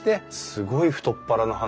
すごい太っ腹の話。